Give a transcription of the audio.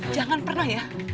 jangan pernah ya